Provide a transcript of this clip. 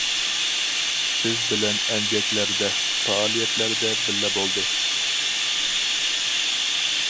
بىز بىلەن ئەمگەكلەردە، پائالىيەتلەردە بىللە بولدى.